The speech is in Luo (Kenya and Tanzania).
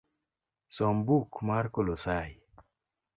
Som buk mar kolosai